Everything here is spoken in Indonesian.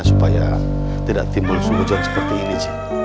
supaya tidak timbul suuzon seperti ini